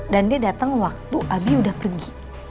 dan dia dateng waktu abi udah pergi